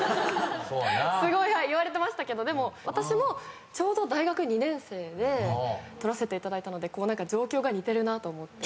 すごい言われてましたけどでも私もちょうど大学２年生で取らせていただいたので状況が似てるなと思って。